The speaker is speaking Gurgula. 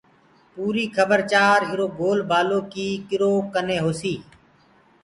پوريٚ کبر چآر ايرو گول بآلو ڪيٚ ڪرو ڪني هوسيٚ